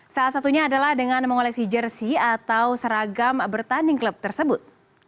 salah satunya adalah dengan mengoleksi jersi atau seragam bertanding klub tersebut